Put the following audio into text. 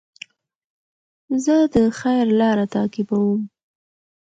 زه د خیر لاره تعقیبوم.